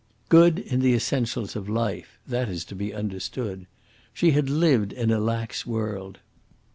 Good in the essentials of life, that is to be understood. She had lived in a lax world.